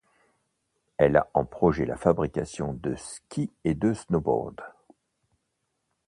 Elle a en projet la fabrication de skis et de snowboards.